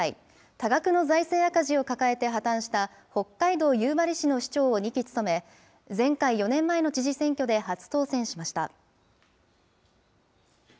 多額の財政赤字を抱えて、破綻した北海道夕張市の市長を２期務め、前回・４年前の知事選挙で初当選しました。